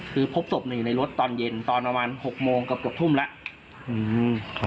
คือพบศพอยู่ในรถตอนเย็นตอนประมาณ๖โมงเกือบทุ่มแล้ว